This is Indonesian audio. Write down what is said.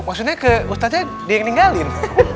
maksudnya ke ustadznya dia yang ninggalin